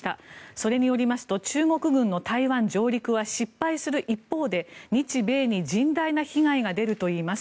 それによりますと中国軍の台湾上陸は失敗する一方で、日米に甚大な被害が出るといいます。